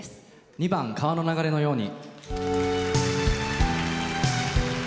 ２番「川の流れのように」。